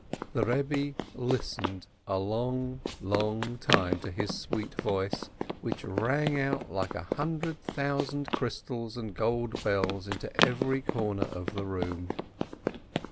The Rebbe listened a long, long time to his sweet voice, which rang out like a hundred thousand crystal and gold bells into every corner of the room.